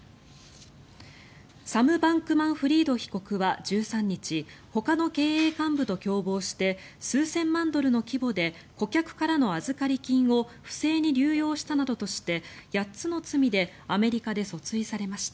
サム・バンクマンフリード容疑者は１３日ほかの経営幹部と共謀して数千万ドルの規模で顧客からの預かり金を不正に流用したなどとして８つの罪でアメリカ訴追されました。